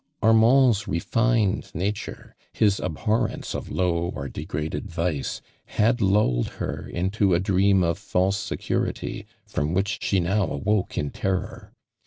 Armand ' s refined nature — his abhor rence of low or degraded vice had lulled her into a dream of false security from wliich she now awoke in terror.